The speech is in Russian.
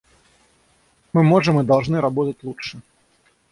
Мы можем и должны работать лучше.